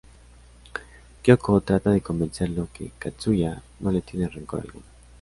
Kyoko trata de convencerlo que Katsuya no le tiene rencor alguno.